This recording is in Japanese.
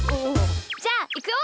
じゃあいくよ！